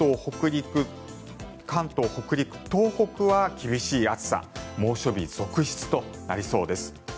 関東、北陸、東北は厳しい暑さ猛暑日続出となりそうです。